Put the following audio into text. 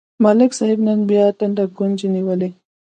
ملک صاحب نن بیا ټنډه ګونځې نیولې.